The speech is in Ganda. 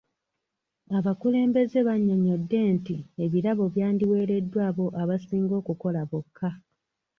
Abakulembeze bannyonnyodde nti ebirabo byandiweereddwa abo abasinga okukola bokka.